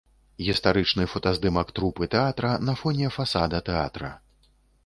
Гістарычны фотаздымак трупы тэатра на фоне фасада тэатра.